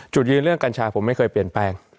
จุดยืนเรื่องกัญชาผมไม่เคยเปลี่ยนแปลง